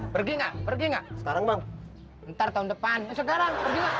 pergi nggak pergi nggak sekarang bang ntar tahun depan sekarang pergi